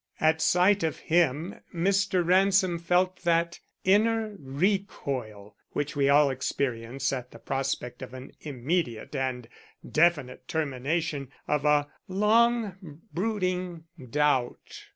At sight of him Mr. Ransom felt that inner recoil which we all experience at the prospect of an immediate and definite termination of a long brooding doubt.